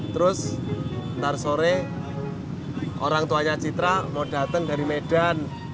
terus ntar sore orang tuanya citra mau datang dari medan